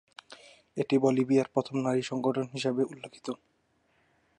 এটি বলিভিয়ার প্রথম নারী সংগঠন হিসেবে উল্লেখিত।